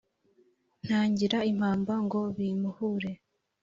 ntangira impamba ngo bimpuhure.